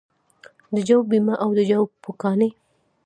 د جو بیمه او د جو پوکاڼې